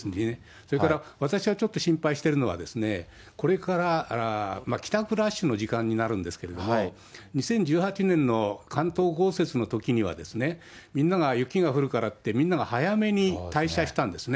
それから私がちょっと心配してるのは、これから帰宅ラッシュの時間になるんですけれども、２０１８年の関東豪雪のときには、みんなが雪が降るからって、みんなが早めに退社したんですね。